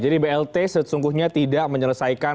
jadi blt sesungguhnya tidak menyelesaikan